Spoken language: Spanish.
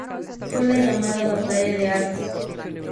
Fue la llamada batalla de Arrás.